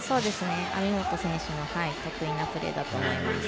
網本選手の得意なプレーだと思います。